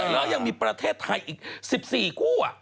แล้วยังมีประเทศไทยอีก๑๔คู่